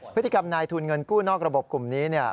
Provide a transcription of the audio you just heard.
พฤติกรรมนายทุนเงินกู้นอกระบบกลุ่มนี้เนี่ย